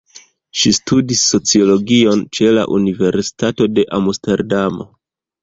Ŝi studis sociologion ĉe la Universitato de Amsterdamo.